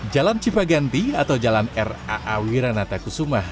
jalan cipaganti atau jalan raa wiranata kusumah